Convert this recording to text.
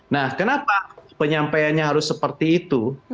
nah kenapa penyampaiannya harus seperti itu